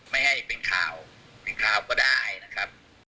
ไม่ให้เป็นข่าวเป็นข่าวก็ได้นะครับ